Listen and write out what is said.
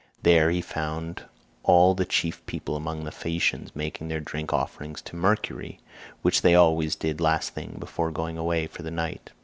There he found all the chief people among the Phaeacians making their drink offerings to Mercury, which they always did the last thing before going away for the night.